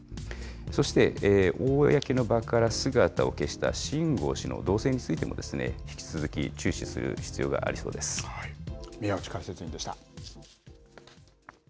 そして、公の場から姿を消した秦剛氏の動静についても、引き続き注視する宮内解説委員でした。